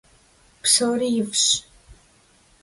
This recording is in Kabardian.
Psori 'ef'ş.